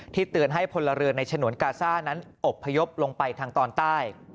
เตือนให้พลเรือนในฉนวนกาซ่านั้นอบพยพลงไปทางตอนใต้